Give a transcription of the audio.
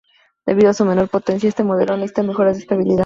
Debido a su menor potencia este modelo no necesitaba mejoras de estabilidad.